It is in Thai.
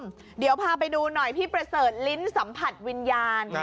พี่เปราะเลือนลิ้นสัมผัสวิญญาณ